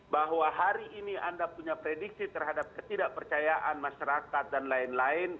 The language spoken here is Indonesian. bahwa hari ini anda punya prediksi terhadap ketidakpercayaan masyarakat dan lain lain